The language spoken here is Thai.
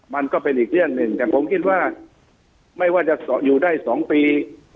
มันก็เป็นอีกเรื่องหนึ่งแต่ผมคิดว่าไม่ว่าจะอยู่ได้๒ปี